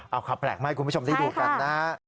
เอาข่าวแปลกมาให้คุณผู้ชมได้ดูกันนะฮะ